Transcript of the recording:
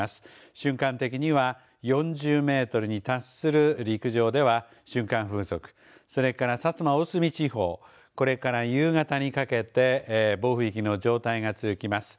瞬間的には４０メートルに達する陸上では瞬間風速それから薩摩大隅地方これから夕方にかけて暴風域の状態が続きます。